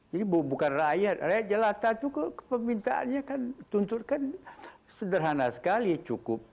jadi bukan rakyat rakyat jelata itu kemintaannya kan tunturkan sederhana sekali cukup